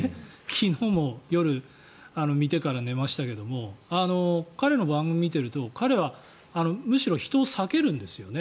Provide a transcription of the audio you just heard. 昨日も夜、見てから寝ましたけど彼の番組を見ていると、彼はむしろ人を避けるんですよね。